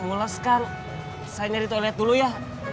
ulaskan saya dari toilet dulu ya